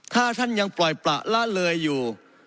ถ้าท่านยังปล่อยประละเลยอยู่